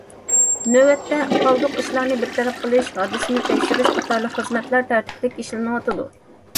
نۆۋەتتە، قالدۇق ئىشلارنى بىر تەرەپ قىلىش، ھادىسىنى تەكشۈرۈش قاتارلىق خىزمەتلەر تەرتىپلىك ئىشلىنىۋاتىدۇ.